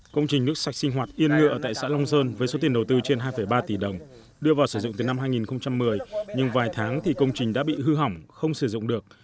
công trình nước sạch sinh hoạt yên ngựa tại xã long sơn với số tiền đầu tư trên hai ba tỷ đồng đưa vào sử dụng từ năm hai nghìn một mươi nhưng vài tháng thì công trình đã bị hư hỏng không sử dụng được